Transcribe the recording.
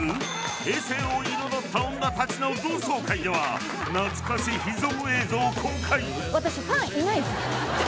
平成を彩った女たちの同窓会では懐かしい秘蔵映像公開。